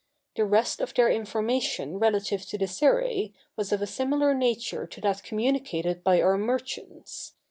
The rest of their information relative to the Seræ was of a similar nature to that communicated by our merchants.